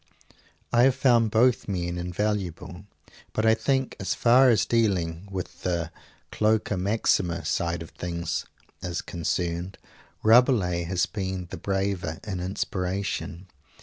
I have found both great men invaluable; but I think as far as dealing with the Cloaca Maxima side of things is concerned, Rabelais has been the braver in inspiration.